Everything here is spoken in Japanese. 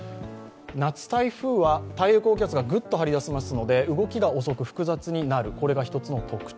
夏台風は太平洋高気圧がぐっと張り出しますので動きが複雑になるというのが一つの特徴。